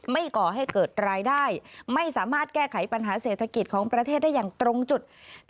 ก่อให้เกิดรายได้ไม่สามารถแก้ไขปัญหาเศรษฐกิจของประเทศได้อย่างตรงจุด